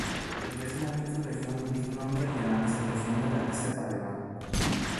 Pertenece a la microrregión de mismo nombre, y a la mesorregión del Agreste Paraibano.